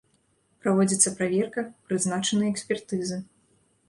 Праводзіцца праверка, прызначаны экспертызы.